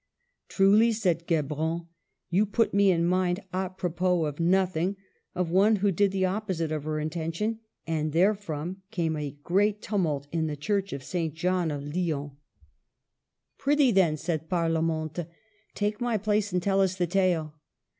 "Truly," said Guebron, "you put me in mind, a propos of nothing, of one who did the opposite of her intention, and therefrom came a great tumult in the Church of St. John of Lyons." THE '' heptameron:' 237 "Prithee, then," said Parlamente, "take my place and tell us the tale."